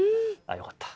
あよかった。